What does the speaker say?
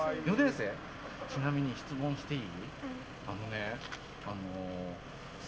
ちなみに質問していい？